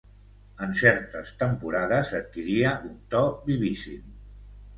En certes temporades adquiria un to vivíssim.